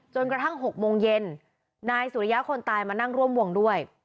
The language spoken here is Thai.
กระทั่ง๖โมงเย็นนายสุริยะคนตายมานั่งร่วมวงด้วย